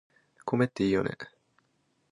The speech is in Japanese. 米っていいよね